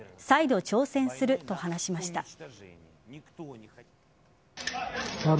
再度挑戦すると話しました。